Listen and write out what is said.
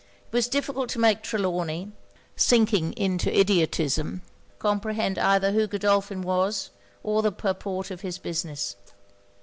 It was difficult to make Trelawny, sinking into idiotism, comprehend either who Godolphin was, or the purport of his business.